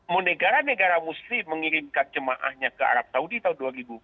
menegara negara muslim mengirimkan jemaahnya ke arab saudi tahun dua ribu dua puluh satu